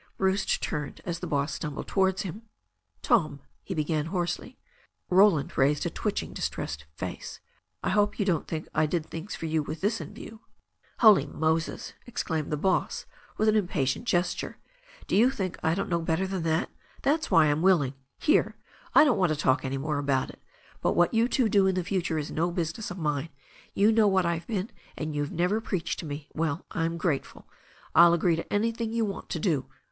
Bruce turned as the boss stumbled towards him. "Tom," he began hoarsely. Roland raised a twitching, distressed face. "I hope you don't think I did things for you with this in view." "Holy Moses!" exclaimed the boss, with an impatient gesture. "Do you think I don't know better than that? That's why I'm willing — ^here, I don't want to talk any more about it. But what you two do in the future is no business of mine. You know what I've been, and you've never preached to me. Well, I'm grateful. I'll agree to anything you want to do.